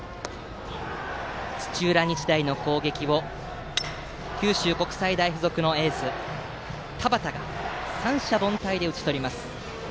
土浦日大の攻撃を九州国際大付属のエース田端が三者凡退で打ち取ります。